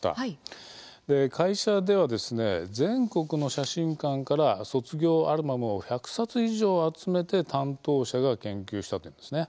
会社では、全国の写真館から卒業アルバムを１００冊以上集めて担当者が研究したというんです。